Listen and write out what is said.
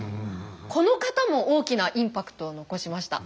この方も大きなインパクトを残しました。